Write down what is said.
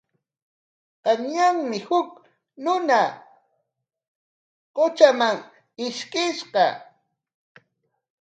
Qanyanmi huk runa qutraman ishkishqa.